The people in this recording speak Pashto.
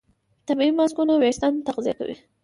طبیعي ماسکونه وېښتيان تغذیه کوي.